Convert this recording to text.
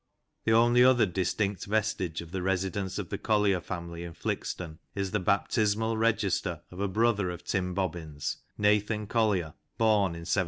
The only other distinct vestige of the residence of the Collier family in Flixton is the baptismal register of a brother of Tim Bobbin's, Nathan Collier, born in 1706.